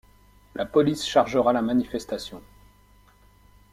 La police chargera la manifestation.